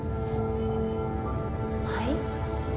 はい？